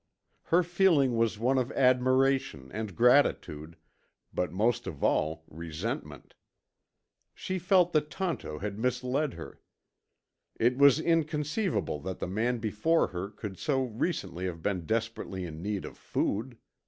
Her feeling was one of admiration and gratitude, but most of all resentment. She felt that Tonto had misled her. It was inconceivable that the man before her could so recently have been desperately in need of food.